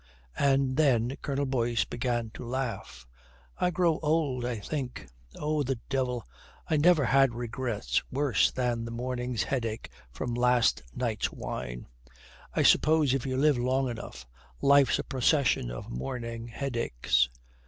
And then Colonel Boyce began to laugh. "I grow old, I think. Oh, the devil, I never had regrets worse than the morning's headache for last night's wine. I suppose if you live long enough, life's a procession of morning headaches.